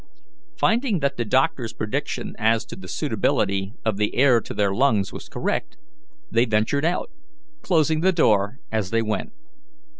Finding that the doctor's prediction as to the suitability of the air to their lungs was correct, they ventured out, closing the door as they went.